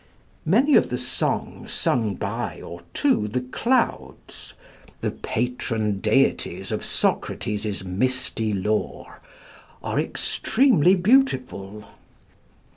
Many of the songs sung by or to the clouds, the patron deities of Socrates's misty lore, are extremely beautiful.